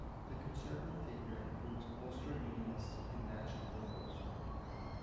The Conservative figure includes Ulster Unionists and National Liberals.